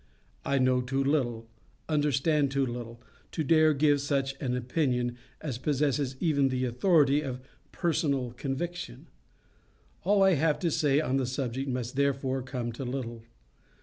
I know too little, understand too little, to dare give such an opinion as possesses even the authority of personal conviction. All I have to say on the subject must therefore come to little.